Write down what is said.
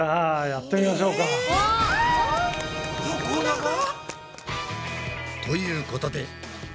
おっ！横長？ということで。